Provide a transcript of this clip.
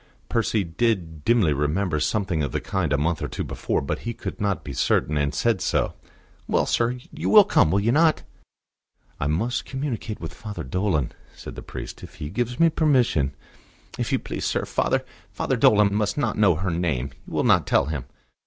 Percy did dimly remember something of the kind a month or two before; but he could not be certain, and said so. "Well, sir, you will come, will you not?" "I must communicate with Father Dolan," said the priest. "If he gives me permission " "If you please, sir, Father Father Dolan must not know her name. You will not tell him?"